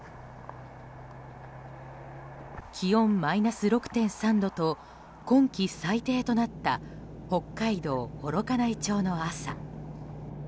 気温マイナス６．３度と今季最低となった北海道幌加内町の朝。